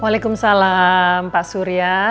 waalaikumsalam pak surya